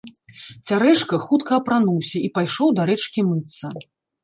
Цярэшка хутка апрануўся і пайшоў да рэчкі мыцца.